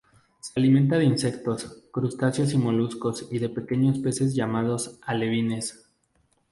Se alimenta de insectos, crustáceos y moluscos y de pequeños peces llamados alevines.